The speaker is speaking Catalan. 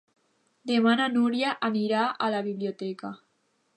Demà na Núria anirà a la biblioteca.